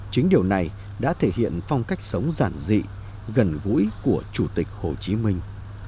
chính điều này đã thể hiện phong cách sống giản dị gần gũi của chủ tịch hồ chí minh